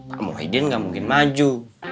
pak mohaidin gak mungkin maju